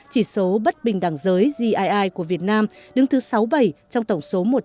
chỉ số bất bình đẳng giới gii của việt nam đứng thứ sáu bảy trong tổng số một trăm sáu mươi nước